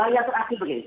ya terakhir begini